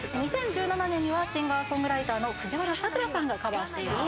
２０１７年にはシンガー・ソングライターの藤原さくらさんがカバーしている。